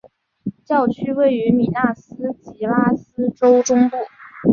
教区位于米纳斯吉拉斯州中部。